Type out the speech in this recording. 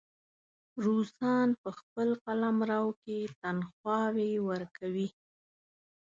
روسان په خپل قلمرو کې تنخواوې ورکوي.